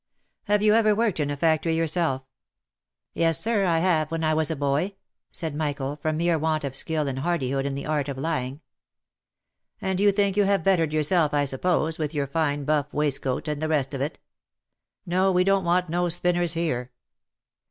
" Have you ever worked in a factory yourself?" " Yes, sir, I have, when I was a boy," said Michael, from mere want of skill and hardihood in the art of lying. " And you think you have bettered yourself, I suppose, with your fine buff waistcoat, and the rest of it. No we don't want no spinners here."